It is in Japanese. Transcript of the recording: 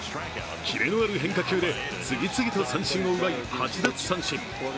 切れのある変化球で次々と三振を奪い、８奪三振。